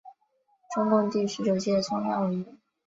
中共第十九届中央委员。